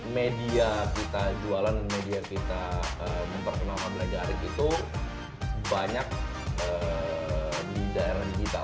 media kita jualan media kita memperkenalkan belajar arik itu banyak di daerah digital